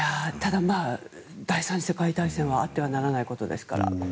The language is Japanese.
ただ、第３次世界大戦はあってはならないことですから。